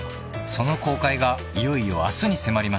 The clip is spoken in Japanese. ［その公開がいよいよ明日に迫りました］